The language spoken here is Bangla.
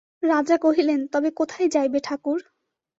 রাজা কহিলেন, তবে কোথায় যাইবে, ঠাকুর?